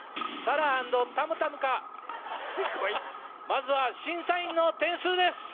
まずは審査員の点数です！